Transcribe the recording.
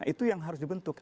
itu yang harus dibentuk